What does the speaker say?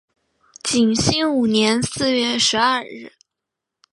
景兴五年四月十二日。